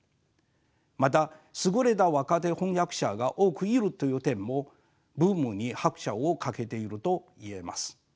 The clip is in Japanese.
また優れた若手翻訳者が多くいるという点もブームに拍車をかけていると言えます。